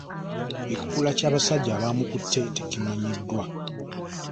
Ekikula ky'abasajja abaamukutte tekimanyiddwa.